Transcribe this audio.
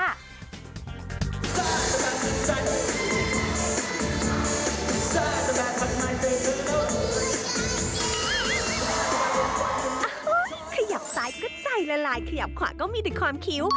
ขยับซ้ายก็ใจละลายขยับขวาก็มีแต่ความคิ้ว